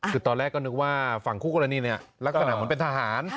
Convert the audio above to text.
คือตอนแรกก็นึกว่าฝั่งคู่กรณีเนี่ยลักษณะเหมือนเป็นทหาร